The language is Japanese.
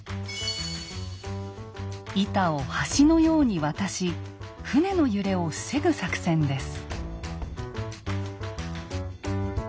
板を橋のように渡し船の揺れを防ぐ作戦です。